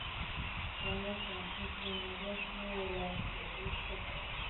ـ د ناست زمري نه ، ولاړ ګيدړ ښه دی.